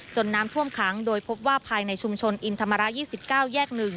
น้ำท่วมขังโดยพบว่าภายในชุมชนอินธรรมระ๒๙แยก๑